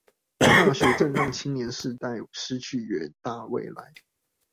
大學正讓青年世代失去遠大未來